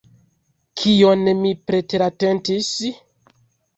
Kion mi preteratentis?